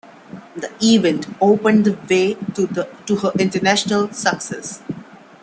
The event opened the way to her international success.